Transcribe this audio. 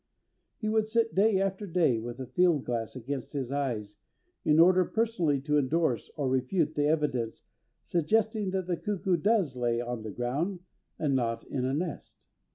He would sit day after day with a field glass against his eyes in order personally to endorse or refute the evidence suggesting that the cuckoo does lay on the ground and not in a nest.